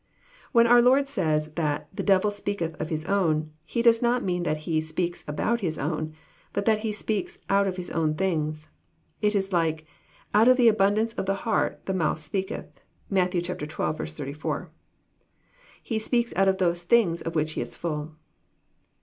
When our Lord says that " the devil speaketh of his own," He does not mean that he " speaks about his own," but that he speaks " out of his own things." It is like, " Out of the abun dance of the heart the mouth speaketh." (Matt. xii. 34.) He speaks out of those things of which he is full.